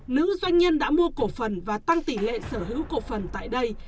nữ doanh nhân đã mua cổ phần và tăng tỷ lệ sở hữu cổ phần tại đây